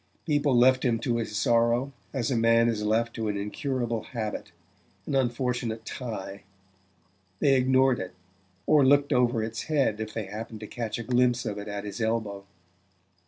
People left him to his sorrow as a man is left to an incurable habit, an unfortunate tie: they ignored it, or looked over its head if they happened to catch a glimpse of it at his elbow.